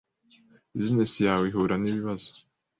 Business yawe ihura n’ibibazo